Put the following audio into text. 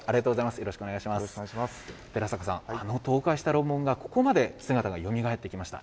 寺坂さん、あの倒壊した楼門がここまで姿がよみがえってきました。